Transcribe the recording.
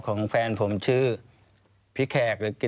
ควิทยาลัยเชียร์สวัสดีครับ